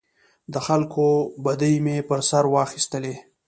د خلکو بدۍ مې پر سر واخیستلې.